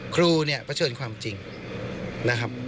ครูเนี่ยเผชิญความจริงนะครับ